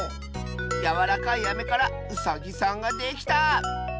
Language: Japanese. やわらかいアメからウサギさんができた！